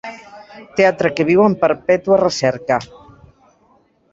Teatre que viu en perpètua recerca.